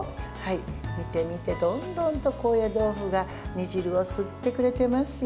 見て見て、どんどんと高野豆腐が煮汁を吸ってくれてますよ。